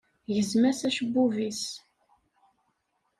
Gzem-as acebbub-is.